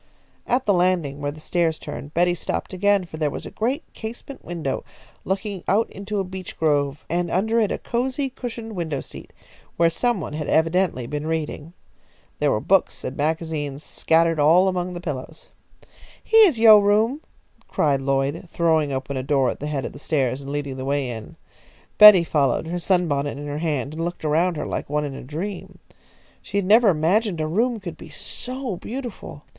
At the landing where the stairs turned, Betty stopped again, for there was a great casement window looking out into a beech grove, and under it a cosy cushioned window seat, where some one had evidently been reading. There were books and magazines scattered all among the pillows. "Heah is yo' room!" cried Lloyd, throwing open a door at the head of the stairs, and leading the way in. Betty followed, her sunbonnet in her hand, and looked around her like one in a dream. She had never imagined a room could be so beautiful.